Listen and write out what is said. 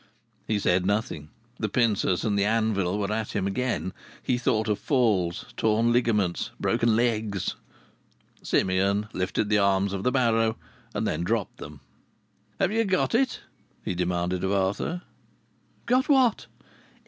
He said nothing. The pincers and the anvil were at him again. He thought of falls, torn garments, broken legs. Simeon lifted the arms of the barrow, and then dropped them. "Have you got it?" he demanded of Arthur. "Got what?"